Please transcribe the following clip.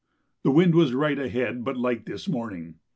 The wind was right ahead but light this morning.